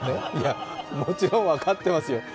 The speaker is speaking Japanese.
もちろん分かってますよ